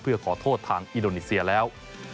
เพื่อขอโทษทางอินโดนีเซียแล้ว